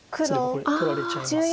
これ取られちゃいます。